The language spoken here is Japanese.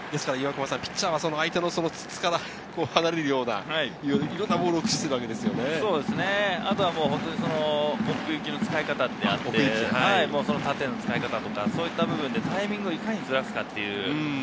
ピッチャーは相手の筒から離れるようないろいろなボールを駆使す奥行きの使い方であったり、縦の使い方とか、そういった部分でタイミングをいかにずらすか。